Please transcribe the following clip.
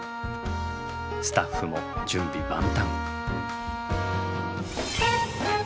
スタッフも準備万端。